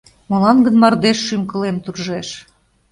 Молан гын мардеж шӱм-кылем туржеш?